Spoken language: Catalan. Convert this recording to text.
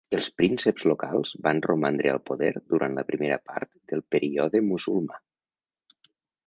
Els prínceps locals van romandre al poder durant la primera part del període musulmà.